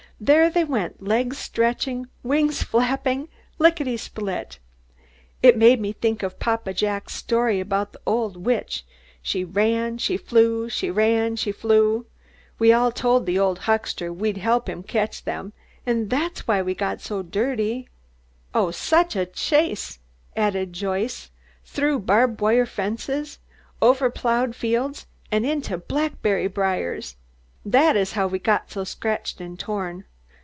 "There they went, legs stretching, wings flapping, lickety split! It made me think of Papa Jack's story about the old witch: 'she ran, she flew, she ran, she flew!' We all told the old huckstah we'd help him catch them and that's why we got so dirty." [Illustration: "'BUT WE CAUGHT THE CHICKENS AND BROUGHT THEM BACK.'"] "Oh, such a chase!" added Joyce. "Through barb wire fences, over ploughed fields and into blackberry briers. That is how we got so scratched and torn.